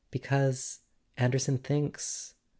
"Because Anderson thinks